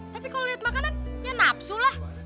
tapi kalau lihat makanan ya nafsu lah